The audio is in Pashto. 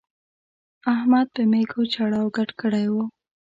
احمد په مېږو چړاو ګډ کړی وو.